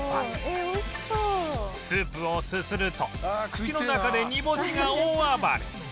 スープをすすると口の中で煮干しが大暴れ